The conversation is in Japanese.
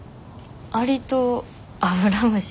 アリとアブラムシ？